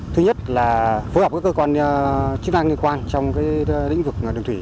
thứ nhất là phối hợp các cơ quan chức năng ngân quan trong lĩnh vực đường thủy